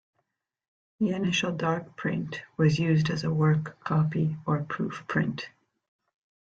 The initial dark print was used as a work copy or proof print.